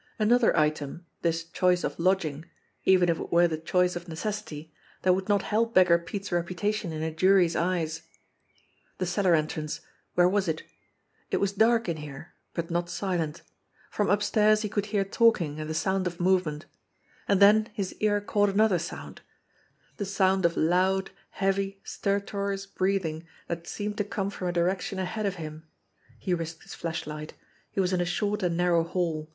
Another item, this choice of lodging, even if it were the choice of necessity, that would not help Beggar Pete's reputation in a jury's eyes ! The cellar entrance ! Where was it ? It was dark in here i but not silent. From upstairs he could hear talking and the sound of movement. And then his ear caught another sound the sound of loud, heavy, stertorous breathing that seemed to come from a direction ahead of him. He risked his flashlight. He was in a short and narrow hall.